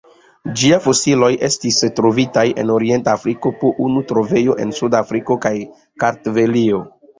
Ĝia fosilioj estis trovitaj en orienta Afriko, po unu trovejo en Sud-Afriko kaj Kartvelio.